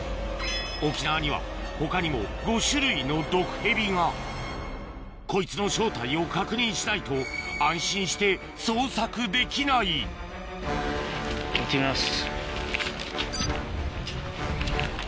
沖縄には他にも５種類の毒ヘビがこいつの正体を確認しないと安心して捜索できない行ってみます。